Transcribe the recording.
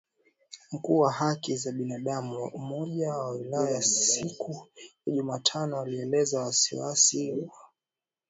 Mkuu wa haki za binadamu wa Umoja wa Ulaya siku ya Jumatano alielezea wasiwasi wake kuhusu kuteswa kwa wafungwa